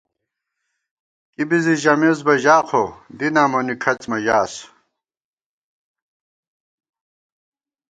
کی بی زِی ژَمېس بہ ژا خو ، دیناں مونی کھڅ مہ ژاس